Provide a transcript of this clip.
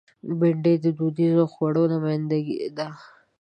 بېنډۍ د دودیزو خوړو نماینده ده